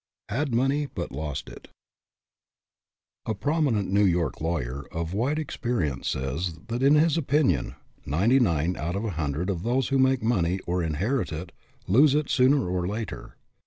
HAD MONEY BUT LOST IT PROMINENT New York lawyer of wide experience says that, in his opinion, ninety nine out of every hundred of those who make money or inherit it, lose it, sooner or later.